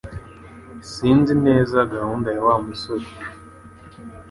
Sinzi neza gahunda ya Wa musore